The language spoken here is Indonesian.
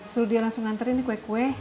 suruh dia langsung nganterin kue kue